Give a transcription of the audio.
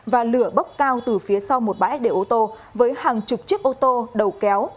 và lửa bốc cao từ phía sau một bãi để ô tô với hàng chục chiếc ô tô đầu kéo